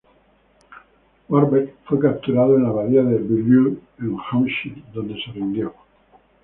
Warbeck fue capturado en la Abadía de Beaulieu en Hampshire, donde se rindió.